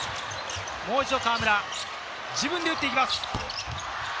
もう一度、河村、自分で打っていきます。